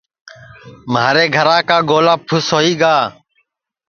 مھارے گھرا کا گولا پُھس ہوئی گا